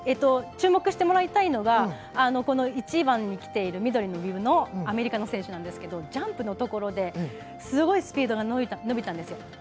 注目してもらいたいのが一番先にきている緑のビブのアメリカの選手ですがジャンプのところですごいスピードが伸びたんですよ。